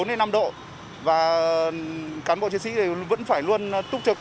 cảnh sát giao thông số bốn đến năm độ và cán bộ chiến sĩ vẫn phải luôn túc trực